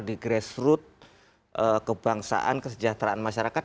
di grassroot kebangsaan kesejahteraan masyarakat